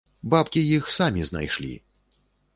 Бабкі іх самі знайшлі!